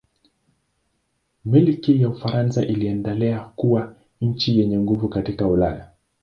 Milki ya Ufaransa iliendelea kuwa nchi yenye nguvu katika Ulaya.